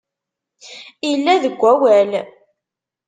Illa deg wawal.